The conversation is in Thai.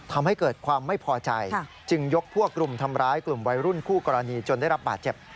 ทำให้เกิดความไม่พอใจจึงยกพวกกลุ่มทำร้ายกลุ่มวัยรุ่นคู่กรณีจนได้รับบาดเจ็บ